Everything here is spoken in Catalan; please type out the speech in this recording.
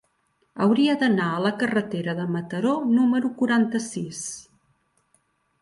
Hauria d'anar a la carretera de Mataró número quaranta-sis.